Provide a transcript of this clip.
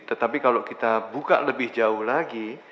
tetapi kalau kita buka lebih jauh lagi